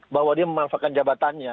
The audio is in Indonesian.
bahwa dia memanfaatkan jabatannya